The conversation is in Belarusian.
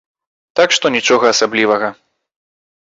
Так што нічога асабістага.